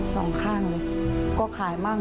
สองข้างเลยก็ขายมั่ง